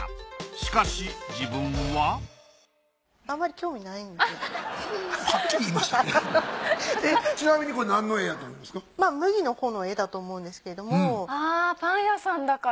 しかし自分はちなみにこれなんの絵やと思うんですか？